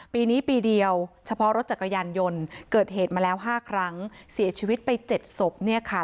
ปีนี้ปีเดียวเฉพาะรถจักรยานยนต์เกิดเหตุมาแล้วห้าครั้งเสียชีวิตไปเจ็ดศพเนี่ยค่ะ